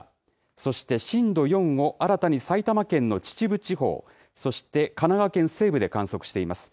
そして震度４を新たに埼玉県の秩父地方、そして、神奈川県西部で観測しています。